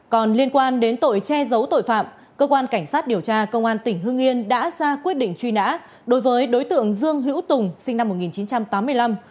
còn liên quan đến tội che giấu tội phạm cơ quan cảnh sát điều tra công an tỉnh hưng yên đã ra quyết định truy nã đối với đối tượng dương hữu tùng sinh năm một nghìn chín trăm tám mươi năm